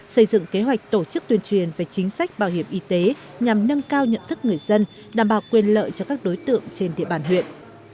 xây dựng kế hoạch tổ chức tuyên truyền về chính sách bảo hiểm y tế nhằm nâng cao nhận thức người dân đảm bảo quyền lợi cho các đối tượng trên địa bàn huyện